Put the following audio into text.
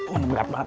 oh berat banget